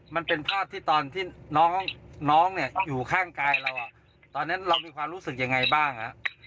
มันเป็นภาพที่ตอนที่น้องเนี่ยอยู่ข้างกายเราตอนนั้นเรามีความรู้สึกยังไงบ้างฮะ